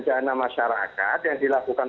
dana masyarakat yang dilakukan